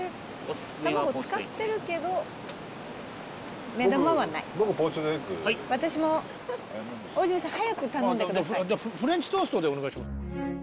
え卵使ってるけど目玉はない僕大泉さん早く頼んでくださいじゃあフレンチトーストでお願いします